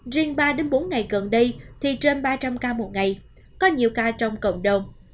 riêng ba bốn ngày gần đây thì trên ba trăm linh ca một ngày có nhiều ca trong cộng đồng